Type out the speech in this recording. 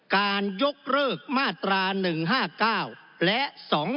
การยกเลิกมาตรา๑๕๙และ๒๕๖